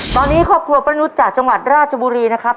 ตอนนี้ครอบครัวป้านุษย์จากจังหวัดราชบุรีนะครับ